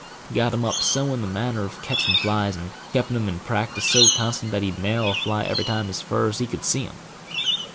He got him up so in the matter of catching flies, and kept him in practice so constant, that he'd nail a fly every time as far as he could see him.